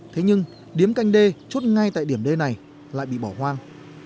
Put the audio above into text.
thế nhưng điếm canh đê chốt ngay tại điểm d này lại bị bỏ hoang